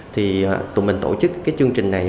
thì tụi mình tổ chức cái chương trình này